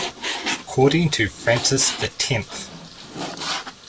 According to Francis the Tenth.